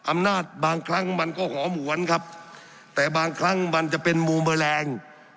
อำนาจบางครั้งมันก็หอมวนครับแต่บางครั้งมันจะเป็นมูเบอร์แรง